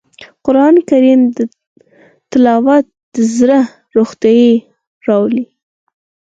قرآن کریم تلاوت د زړه روښنايي راولي